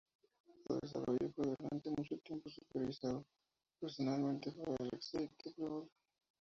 Su desarrollo fue durante mucho tiempo supervisado personalmente por Alexei Tupolev.